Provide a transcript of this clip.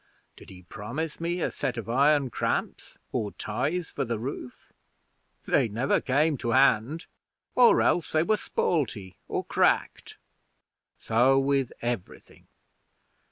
Did he promise me a set of iron cramps or ties for the roof? They never came to hand, or else they were spaulty or cracked. So with everything.